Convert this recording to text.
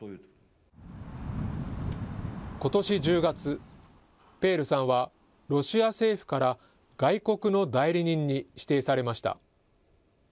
ことし１０月、ペールさんはロシア政府から外国の代理人に指定されました。